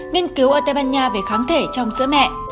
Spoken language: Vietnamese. nghiên cứu ở tây ban nha về kháng thể trong sữa mẹ